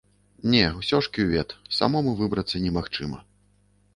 Не, усё ж кювет, самому выбрацца немагчыма.